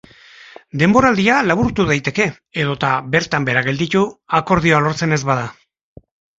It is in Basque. Denboraldia laburtu daiteke edota bertan behera gelditu akordioa lortzen ez bada.